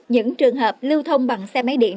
những trường hợp lưu thông bằng xe máy điện